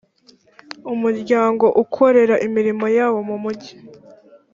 umuryango ukorera imirimo yawo mu mujyi